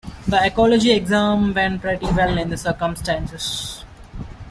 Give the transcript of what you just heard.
The ecology exam went pretty well in the circumstances.